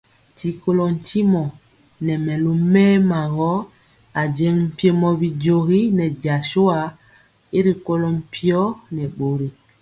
Ti kolɔ ntimɔ nɛ mɛlu mɛɛma gɔ ajeŋg mpiemɔ bijogi nɛ jasua y rikolɔ mpio nɛ bori.